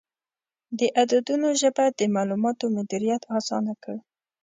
د عددونو ژبه د معلوماتو مدیریت اسانه کړ.